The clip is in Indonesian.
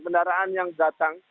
pendaraan yang datang